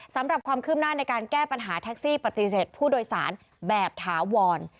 สำหรับความคืบหน้าในการแก้ปัญหาแท็กซี่ปฏิเสธผู้โดยสารแบบถาวร